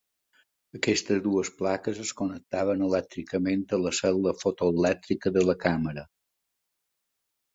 Aquestes dues plaques es connectaven elèctricament a la cel·la fotoelèctrica de la càmera.